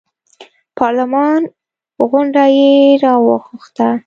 پارلمان غونډه یې راوغوښته.